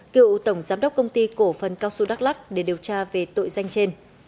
cựu tổng giám đốc công ty cổ phần cao xu đắk lắc để điều tra về tội danh trên